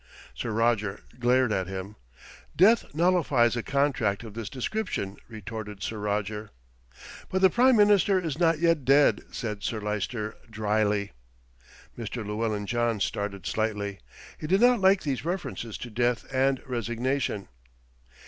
Sir Roger glared at him. "Death nullifies a contract of this description," retorted Sir Roger. "But the Prime Minister is not yet dead," said Sir Lyster drily. Mr. Llewellyn John started slightly. He did not like these references to death and resignation.